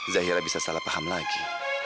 zahira bisa salah paham lagi